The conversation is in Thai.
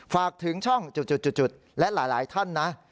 ฝากถึงช่องจุดและหลายท่านนะ